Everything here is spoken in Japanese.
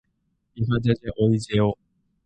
いはじゃじゃおいじぇお。